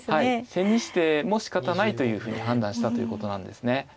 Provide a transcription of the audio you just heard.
千日手もしかたないというふうに判断したということなんですね。